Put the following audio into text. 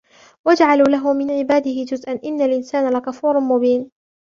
وَجَعَلُوا لَهُ مِنْ عِبَادِهِ جُزْءًا إِنَّ الْإِنْسَانَ لَكَفُورٌ مُبِينٌ